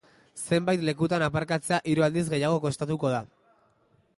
Zenbait lekutan aparkatzea hiru aldiz gehiago kostatuko da.